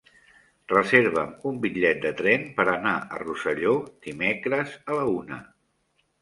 Reserva'm un bitllet de tren per anar a Rosselló dimecres a la una.